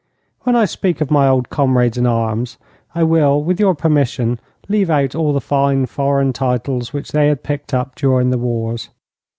When I speak of my old comrades in arms, I will, with your permission, leave out all the fine foreign titles which they had picked up during the wars.